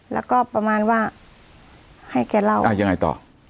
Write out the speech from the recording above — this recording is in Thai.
แล้วก็ประมาณว่าให้แกเล่ายังไงต่อ